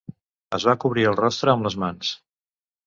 Es va cobrir el rostre amb les mans.